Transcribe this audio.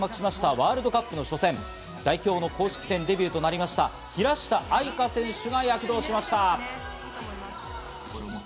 ワールドカップの初戦、代表の公式戦デビューとなりました平下愛佳選手が躍動しました。